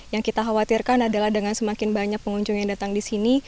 yang kita khawatirkan adalah dengan semakin banyak pengunjung yang datang di sini